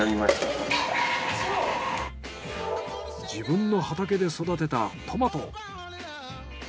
自分の畑で育てたトマト。